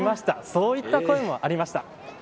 そういった声もありました。